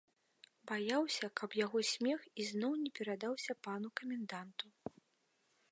Баяўся, каб яго смех ізноў не перадаўся пану каменданту.